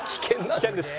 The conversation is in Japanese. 危険です。